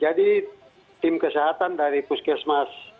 jadi tim kesehatan dari puskesmas